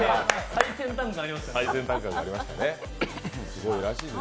最先端感がありましたね。